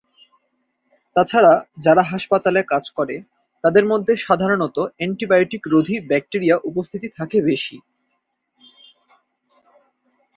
তাছাড়া যারা হাসপাতালে কাজ করে তাদের মধ্যে সাধারণত আন্টিবায়োটিক-রোধী ব্যাক্টেরিয়া উপস্থিতি থাকে বেশি।